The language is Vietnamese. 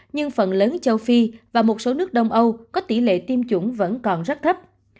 nhưng phần lớn châu phi và một số nước đông âu có tỷ lệ tiêm chủng vẫn còn rất thấp